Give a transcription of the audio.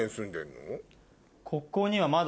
ここにはまだ。